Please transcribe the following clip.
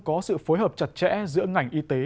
có sự phối hợp chặt chẽ giữa ngành y tế